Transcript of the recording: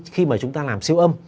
khi mà chúng ta làm siêu âm